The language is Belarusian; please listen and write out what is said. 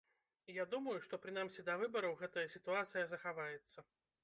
Я думаю, што прынамсі да выбараў гэтая сітуацыя захаваецца.